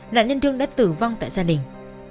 nạn nhân thương đã tử vong tại gia đình